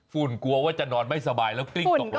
กลัวว่าจะนอนไม่สบายแล้วกลิ้งตกลง